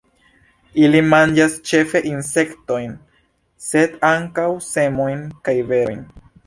Ili manĝas ĉefe insektojn, sed ankaŭ semojn kaj berojn.